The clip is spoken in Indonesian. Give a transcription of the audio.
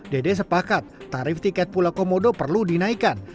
dede sepakat tarif tiket pulau komodo perlu dinaikkan